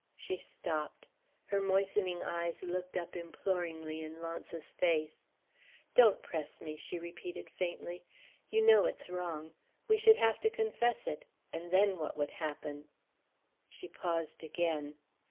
She stopped; her moistening eyes looked up imploringly in Launce's face. "Don't press me!" she repeated faintly. "You know it's wrong. We should have to confess it and then what would happen?" She paused again.